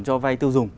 cho vai tiêu dùng